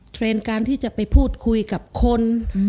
เทรนด์การที่จะไปพูดคุยกับคน